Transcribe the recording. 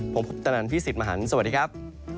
ผมพุทธนันพี่สิทธิ์มหันฯสวัสดีครับ